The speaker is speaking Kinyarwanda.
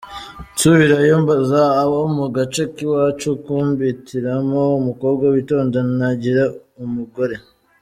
Nsubirayo mbaza abo mu gace k’iwacu kumpitiramo umukobwa witonda nagira umugore.